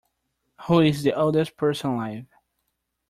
Who is the oldest person alive?